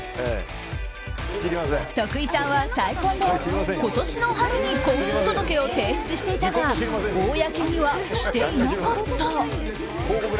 徳井さんは再婚で今年の春に婚姻届を提出していたが公にはしていなかった。